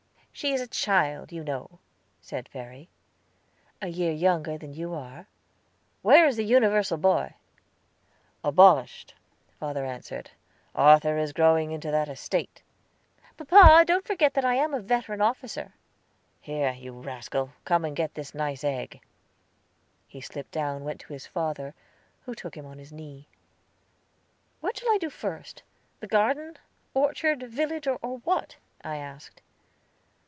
"She is a child, you know," said Verry. "A year younger than you are." "Where is the universal boy?" "Abolished," father answered. "Arthur is growing into that estate." "Papa, don't forget that I am a veteran officer." "Here, you rascal, come and get this nice egg." He slipped down, went to his father, who took him on his knee. "What shall I do first? the garden, orchard, village, or what?" I asked.